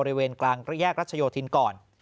บริเวณกลางระแยกรัชโยธินก่อน